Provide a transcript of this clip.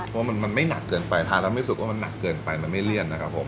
เพราะมันไม่หนักเกินไปทานแล้วไม่รู้สึกว่ามันหนักเกินไปมันไม่เลี่ยนนะครับผม